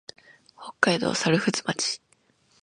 北海道猿払村